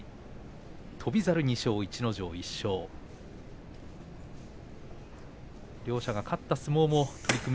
翔猿２勝、逸ノ城１勝。両者が勝った相撲も取組